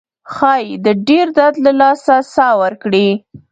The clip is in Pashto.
ښایي د ډیر درد له لاسه ساه ورکړي.